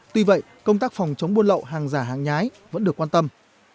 tuy vậy công tác phòng chống buôn lậu hàng giả hàng nhái vẫn được quan tâm